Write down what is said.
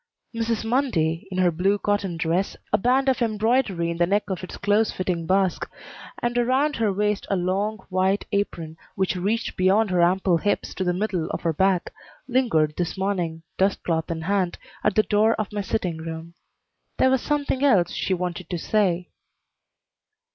Mrs. Mundy, in her blue cotton dress, a band of embroidery in the neck of its close fitting basque, and around her waist a long, white apron which reached beyond her ample hips to the middle of her back, lingered this morning, dust cloth in hand, at the door of my sitting room. There was something else she wanted to say.